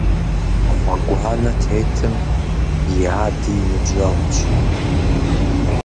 Гъуэгуанэ тетым и ади и ныбжьэгъущ.